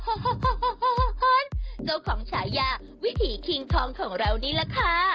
เจ้าของฉายาวิถีคิงทองของเรานี่แหละค่ะ